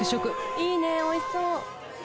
いいねおいしそう。